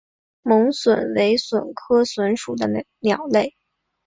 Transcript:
猛隼为隼科隼属的鸟类。